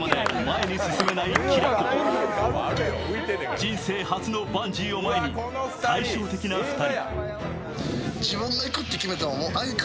人生初のバンジーを前に対照的な２人。